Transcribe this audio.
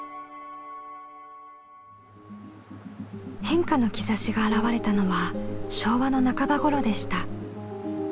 変化の兆しが表れたのは昭和の半ば頃でした。